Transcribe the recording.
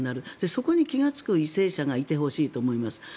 そこに気がつく為政者がいてほしいと思います。